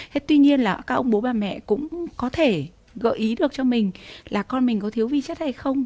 thế tuy nhiên là các ông bố bà mẹ cũng có thể gợi ý được cho mình là con mình có thiếu vi chất hay không